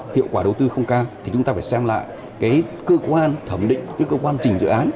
hiệu quả đầu tư không cao thì chúng ta phải xem lại cơ quan thẩm định cơ quan chỉnh dự án